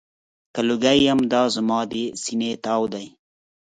که لوګی یم، دا زما د سینې تاو دی.